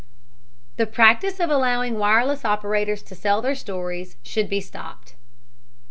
The practice of allowing wireless operators to sell their stories should be stopped.